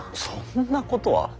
そんなことは。